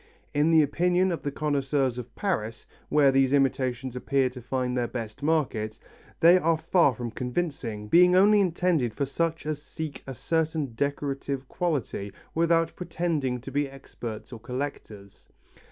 In the opinion of the connoisseurs of Paris, where these imitations appear to find their best market, they are far from convincing, being only intended for such as seek a certain decorative quality without pretending to be experts or collectors.